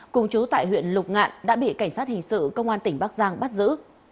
cùng chú tại huyện lục ngạn đã bị cảnh sát hình sự công an tỉnh bắc giang bắt giữ